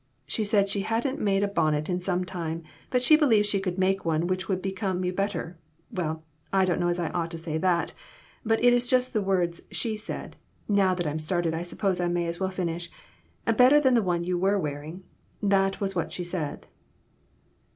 She said she hadn't made a bonnet in some time, but she believed she could make one which would become you bet ter well, I don't know as I ought to say that, but it is just the words she said, and now that I'm started, I suppose I may as well finish * better than the one you were wearing.' That was what she said."